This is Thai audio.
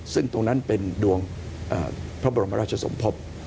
ซึ่งตรงนั้นเป็นดวงพระบรมราชสมภพ